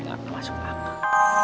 gak masuk akal